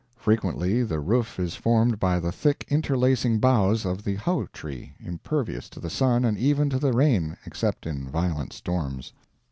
Frequently the roof is formed by the thick interlacing boughs of the hou tree, impervious to the sun and even to the rain, except in violent storms.